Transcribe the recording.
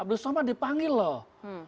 abdul somad dipanggil loh